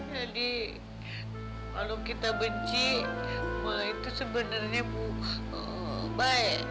jadi kalau kita benci malah itu sebenarnya baik